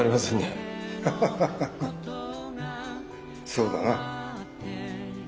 そうだな。